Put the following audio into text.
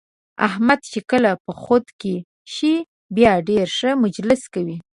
احمد چې کله په خود کې شي بیا ډېر ښه مجلس کوي.